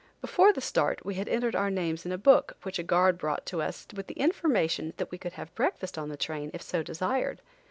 Before the start, we had entered our names in a book which a guard brought to us with the information that we could have breakfast on the train if so desired.